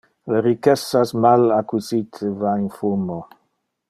Le ricchessas mal acquisite va in fumo.